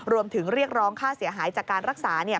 เรียกร้องค่าเสียหายจากการรักษาเนี่ย